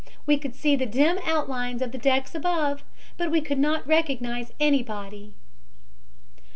We could see the dim outlines of the decks above, but we could not recognize anybody."